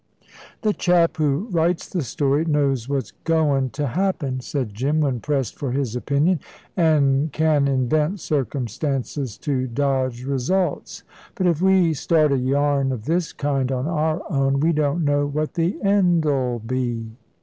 "The chap who writes the story knows what's goin' to happen," said Jim, when pressed for his opinion, "an' can invent circumstances to dodge results. But if we start a yarn of this kind on our own, we don't know what the end 'ull be."